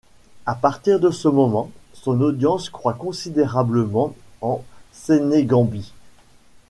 À partir de ce moment, son audience croît considérablement en Sénégambie.